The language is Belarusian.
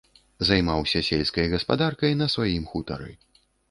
Займаўся сельскай гаспадарскай на сваім хутары.